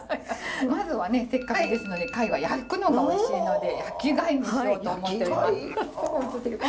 まずはねせっかくですので貝は焼くのがおいしいので焼き貝にしようと思っております。